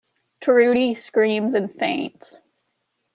Trudy screams and faints.